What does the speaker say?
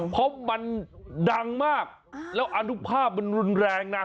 เพราะมันดังมากแล้วอนุภาพมันรุนแรงนะ